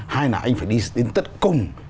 hay là anh phải đi đến tất cùng